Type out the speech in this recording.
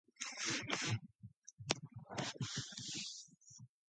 Today, the complex functions as a cultural center and the seat of municipal government.